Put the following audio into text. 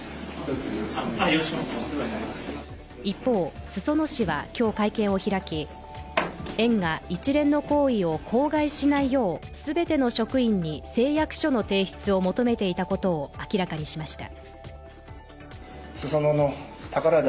一方、裾野市は今日会見を開き、園が一連の行為を口外しないよう全ての職員に誓約書の提出を求めていたことを明らかにしました。